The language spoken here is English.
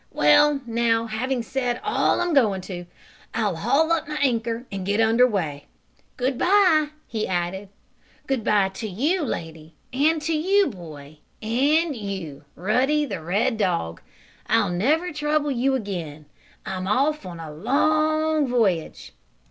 "Well, now having said all I'm going to, I'll haul up my anchor and get under way. Good bye!" he added. "Good bye to you, lady, and to you, boy and you, Ruddy, the red dog! I'll never trouble you again! I'm off on a long voyage!"